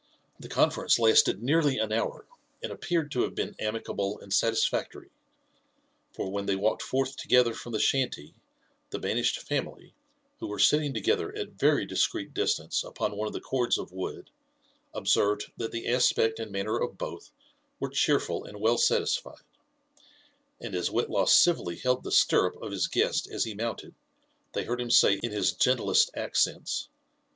The conference lasted nearly an hour, and appeared to have been amicable and satisfactory ; for when they walked forth together from the shanty, the banished family, who were silting together at very discreet distance upon one of (he cords of wood, observed that the aspect and manner of both wero eheerful and well satisfied: and as Whitlaw civilly held the stirrup of his guest as he mounted, they heard him say in his gentlest ai^^ cents.